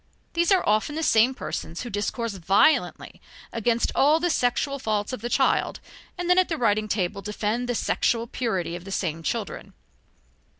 These are often the same persons who discourse violently against all the sexual faults of the child and then at the writing table defend the sexual purity of the same children.